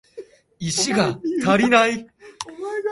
石が足りない